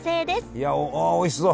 いやおいしそう！